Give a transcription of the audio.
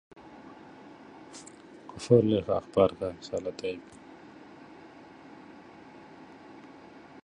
The currently designed torch has a safeguard built into it.